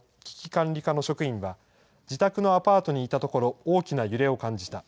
管理課の職員は、自宅のアパートにいたところ、大きな揺れを感じた。